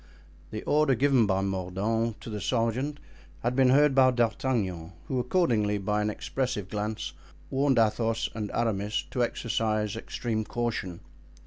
The order given by Mordaunt to the sergeant had been heard by D'Artagnan, who accordingly, by an expressive glance, warned Athos and Aramis to exercise extreme caution.